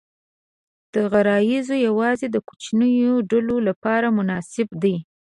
دا غرایز یواځې د کوچنیو ډلو لپاره مناسب دي.